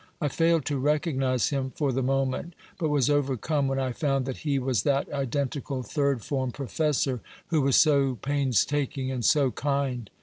I failed to recognise him for the moment, but was overcome when I found that he was that identical third form professor who was so pains taking and so kind.